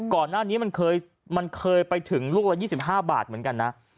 ก่อนหน้านี้มันเคยไปถึงลูกละ๒๕บาทเหมือนกันนะ